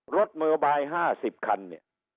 รถโมบาย๕๐คันเนี่ย